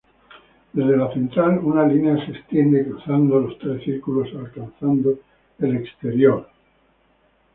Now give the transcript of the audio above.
Desde la central, una línea se extiende cruzando los tres círculos, alcanzando el exterior.